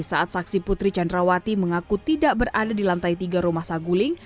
saat saksi putri candrawati mengaku tidak berada di lantai tiga rumah saguling